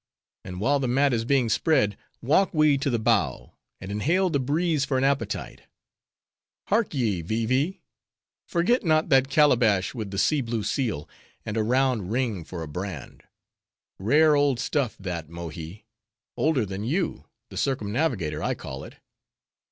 and while the mat is being spread, walk we to the bow, and inhale the breeze for an appetite. Hark ye, Vee Vee! forget not that calabash with the sea blue seal, and a round ring for a brand. Rare old stuff, that, Mohi; older than you: the circumnavigator, I call it.